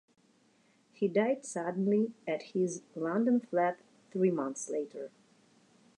He died suddenly at his London flat three months later.